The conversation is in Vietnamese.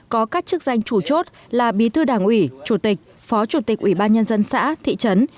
có các chức danh chủ chốt là bí thư đảng ủy chủ tịch phó chủ tịch ủy ban nhân dân xã thị trấn